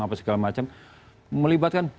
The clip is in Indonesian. apa segala macam melibatkan